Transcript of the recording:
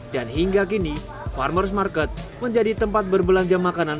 dan hingga kini farmer's market menjadi tempat berbelanja makanan